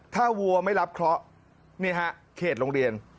ถ้าวัวไม่รับเคราะห์นี่ฮะเขตโรงเรียน